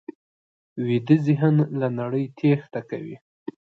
ویده ذهن له نړۍ تېښته کوي